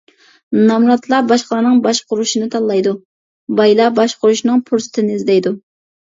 نامراتلار باشقىلارنىڭ باشقۇرۇشىنى تاللايدۇ، بايلار باشقۇرۇشنىڭ پۇرسىتىنى ئىزدەيدۇ.